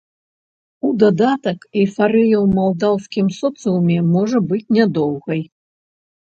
У дадатак, эйфарыя ў малдаўскім соцыуме можа быць нядоўгай.